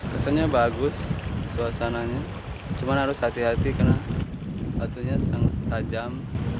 rasanya bagus suasananya cuma harus hati hati karena batunya sangat tajam